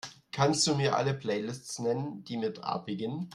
Kannst Du mir alle Playlists nennen, die mit A beginnen?